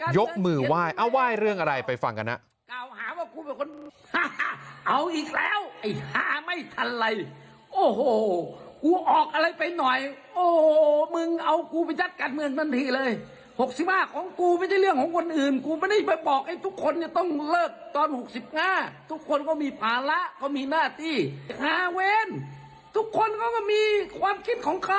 ยกมือไหว้เอาไหว้เรื่องอะไรไปฟังกันนะ